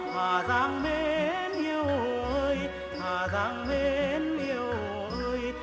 hà giang bên yêu ơi hà giang bên yêu ơi